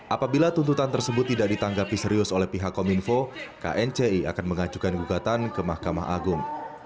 apabila tuntutan tersebut tidak ditanggapi serius oleh pihak kominfo knci akan mengajukan gugatan ke mahkamah agung